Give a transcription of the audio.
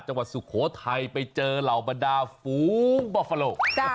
สุโขทัยไปเจอเหล่าบรรดาฝูงบาฟาโล